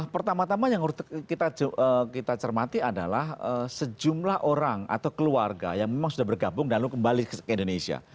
pertama tama yang harus kita cermati adalah sejumlah orang atau keluarga yang memang sudah bergabung dan kembali ke indonesia